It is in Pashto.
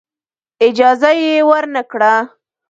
اجازه یې ورنه کړه.